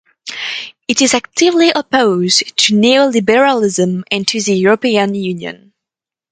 It is actively opposed to neo-liberalism and to the European Union.